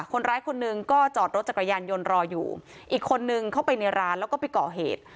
คนร้ายคนหนึ่งก็จอดรถจักรยานยนต์รออยู่อีกคนนึงเข้าไปในร้านแล้วก็ไปก่อเหตุ